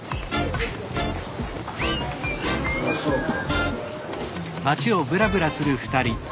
あそうか。